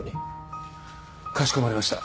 かしこまりました。